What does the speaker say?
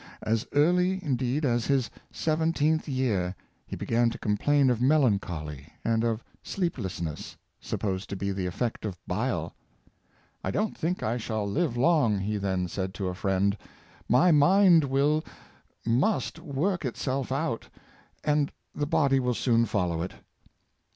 As early, indeed, as his seventeenth year, he began to complain of melancholy and sleepless ness, supposed to be the effect of bile. " I don't think I shall live long," he then said to a friend; " my mind will — must work itself out, and the body will soon fol low it."